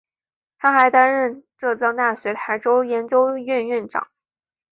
他还担任浙江大学台州研究院院长。